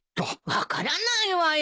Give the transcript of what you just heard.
分からないわよ。